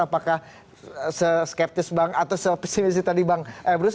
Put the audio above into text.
apakah seskeptis bang atau se optimis tadi bang ebrus